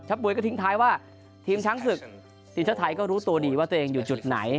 มวยก็ทิ้งท้ายว่าทีมช้างศึกทีมชาติไทยก็รู้ตัวดีว่าตัวเองอยู่จุดไหน